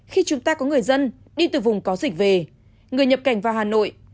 khi chúng ta có người dân đi từ vùng có dịch về người nhập cảnh vào hà nội